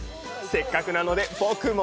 せっかくなので僕も。